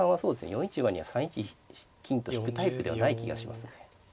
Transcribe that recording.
４一馬には３一金と引くタイプではない気がしますね。